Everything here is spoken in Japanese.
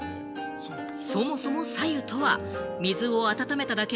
そもそも白湯とは、水を温めただけ。